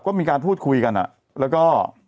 ก็มีการพูดคุยกันแล้วก็